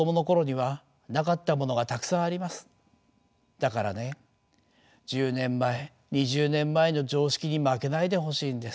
だからね１０年前２０年前の常識に負けないでほしいんです。